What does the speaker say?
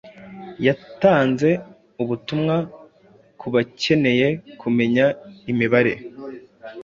Yatanze ubutumwa ku bakeneye kumenya imibare